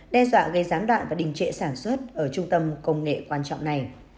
đe dọa gây gián đoạn và đình trệ sản xuất ở trung tâm công nghệ quan trọng này